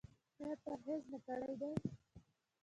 ایا پرهیز مو کړی دی؟